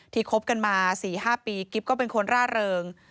คบกันมา๔๕ปีกิ๊บก็เป็นคนร่าเริง